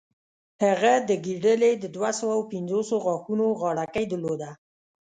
هغه د ګیدړې د دوهسوو پنځوسو غاښونو غاړکۍ درلوده.